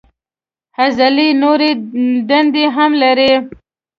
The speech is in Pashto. عضلې نورې دندې هم لري.